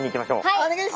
はい！